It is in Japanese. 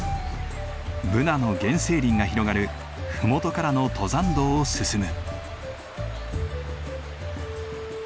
ブナの原生林が広がる麓からの登山道を進む。